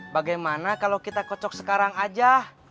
bagaimana kalau kita kocok sekarang aja